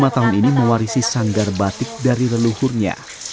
wanita empat puluh lima tahun ini mewarisi sanggar batik dari leluhurnya